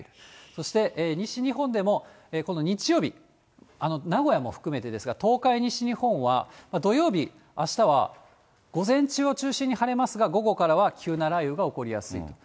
そして西日本でも今度日曜日、名古屋も含めてですが、東海、西日本は土曜日、あしたは午前中を中心に晴れますが、午後からは急な雷雨が起こりやすいと。